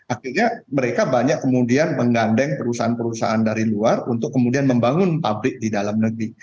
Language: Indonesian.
akhirnya mereka banyak kemudian menggandeng perusahaan perusahaan dari luar untuk kemudian membangun pabrik di dalam negeri